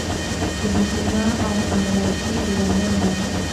ابن سینا او رازي ایرانیان وو.